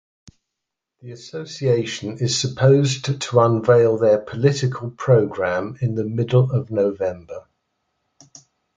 The association is supposed to unveil their political program in the middle of November.